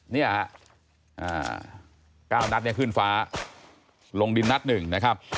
เนี่ยฮะ๙นัดเนี่ยขึ้นฟ้าลงดินนัดหนึ่งนะครับ